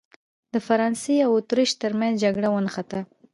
د فرانسې او اتریش ترمنځ جګړه ونښته.